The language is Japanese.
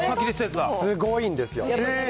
すごいんですよ。